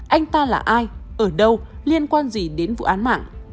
anh ta là ai ở đâu liên quan gì đến vụ án mạng